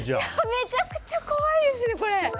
めちゃくちゃ怖いですね。